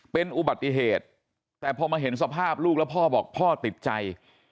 เป็นอุบัติเหตุแต่พอมาเห็นสภาพลูกแล้วพ่อบอกพ่อติดใจ